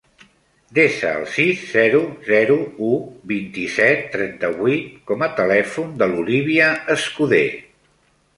Desa el sis, zero, zero, u, vint-i-set, trenta-vuit com a telèfon de l'Olívia Escuder.